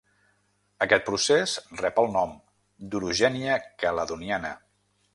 Aquest procés rep el nom d'orogènia caledoniana.